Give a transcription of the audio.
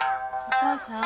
お母さん！